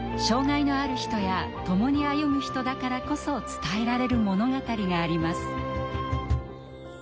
障害のある人や共に歩む人だからこそ伝えられる物語があります。